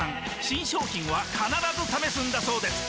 新商品は必ず試すんだそうです